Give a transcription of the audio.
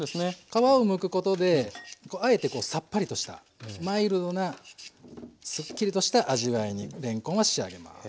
皮をむくことであえてさっぱりとしたマイルドなすっきりとした味わいにれんこんは仕上げます。